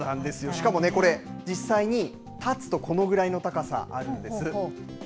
しかもね、これ、実際に立つと、このぐらいの高さあるんです。